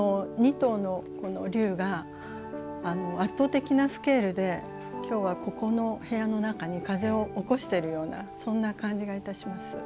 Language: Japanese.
２頭の龍が圧倒的なスケールできょうはここの部屋の中に風を起こしているようなそんな感じがいたします。